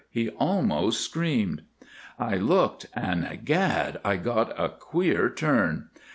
he almost screamed. "I looked, and, gad, I got a queer turn.